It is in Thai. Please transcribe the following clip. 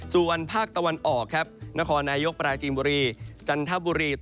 สู่วันภาคตะวันออกนครนายกปราชินบุรีจันทบุรีตราส